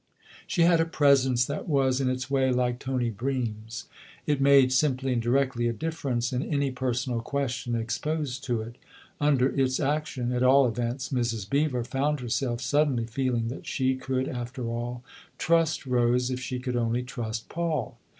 She had a presence that was, in its way, like Tony Bream's : it made, simply and directly, a difference in any personal question exposed to, it. Under its action, at all events, Mrs. Beever found herself suddenly feeling that she could after all trust Rose if she could only trust Paul.